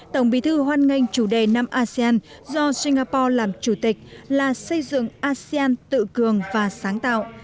tổng bí thư hoan nghênh chủ đề năm asean do singapore làm chủ tịch là xây dựng asean tự cường và sáng tạo